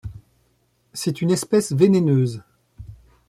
C'est une espèce vénéneuse.